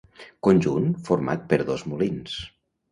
Conjunt format per dos molins.